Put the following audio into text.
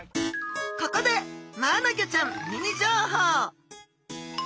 ここでマアナゴちゃんミニ情報。